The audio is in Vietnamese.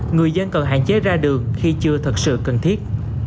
người dân cần hạn chế ra đường khi chưa thật sự cần thiết